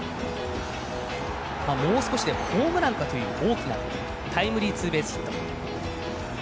もう少しでホームランという大きなタイムリーツーベースヒット。